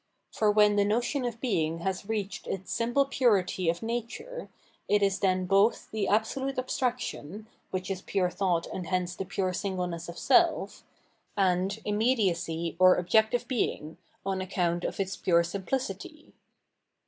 For when the notion of Being has reached its simple purity of nature, it is then both the absolute 771 Revealed Edition abstraction, wliich. is pure thought and hence the pure singleness of self, and nninediacy or objective being, on account of its pure simphcity.